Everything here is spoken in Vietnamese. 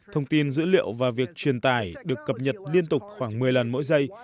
thông tin dữ liệu và việc truyền tải được cập nhật liên tục khoảng một mươi lần mỗi giây